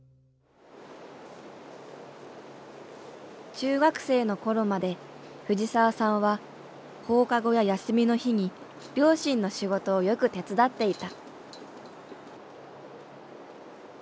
中学生の頃まで藤澤さんは放課後や休みの日に両親の仕事をよく手伝っていた。